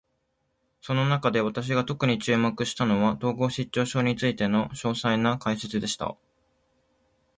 その中で、私が特に注目したのは、統合失調症についての詳細な解説でした。